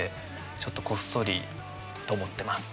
ちょっとこっそりと思ってます。